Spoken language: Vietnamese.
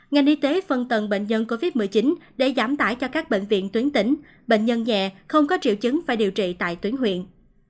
ngành y tế phân tầng bệnh nhân covid một mươi chín để giảm tải cho các bệnh viện tuyến tỉnh bệnh nhân nhẹ không có triệu chứng phải điều trị tại tuyến huyện